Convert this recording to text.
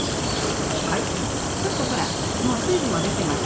ちょっとほらもう水分も出てます。